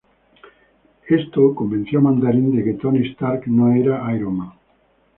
Esto convenció a Mandarin de que Tony Stark no era Iron Man.